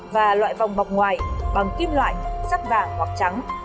và loại vòng bọc ngoài bằng kim loại sắc vàng hoặc trắng